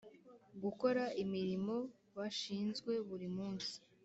gukora imirimo bashinzwe buri munsi